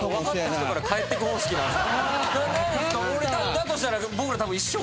だとしたら。